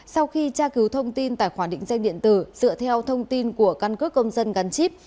sau khi tra cứu thông tin tài khoản định danh điện tử dựa theo thông tin của căn cước công dân gắn chip